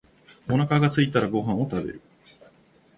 お腹がすいたらご飯を食べる。